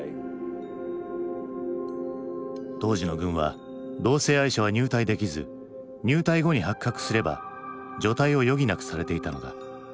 当時の軍は同性愛者は入隊できず入隊後に発覚すれば除隊を余儀なくされていたのだ。